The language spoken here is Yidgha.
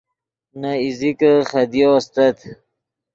نے ایزیکے خدیو استت